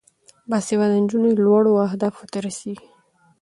باسواده نجونې لوړو اهدافو ته رسیږي.